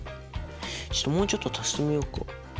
もうちょっと足してみようか。